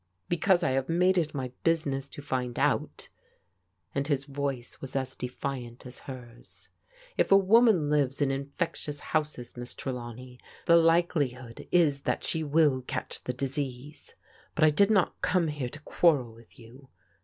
"" Because I have made it my business to find out," and his voice was as defiant as hers. " If a woman lives in infectious houses. Miss Trelawney, the likelihood is that she will catch the disease. But I did not come here to quarrel with you.